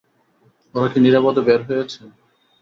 ওরা কি নিরাপদে বের হয়েছে?